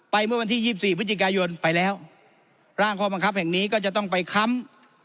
เมื่อวันที่๒๔พฤศจิกายนไปแล้วร่างข้อบังคับแห่งนี้ก็จะต้องไปค้ำ